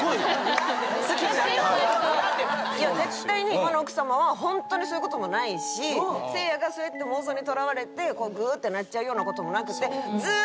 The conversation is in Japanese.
絶対に今の奥さまはホントにそういうこともないしせいやがそうやって妄想にとらわれてグーッてなっちゃうようなこともなくて。